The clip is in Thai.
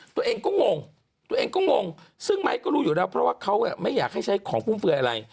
ตัวเองก็งงตัวเองก็งงซึ่งไม้ก็รู้อยู่แล้วเพราะว่าเขาไม่อยากให้ใช้ของฟุ่มเฟือยอะไร